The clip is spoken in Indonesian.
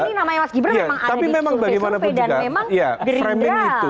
tapi ini namanya mas gibran memang ada di survei survei dan memang berbindah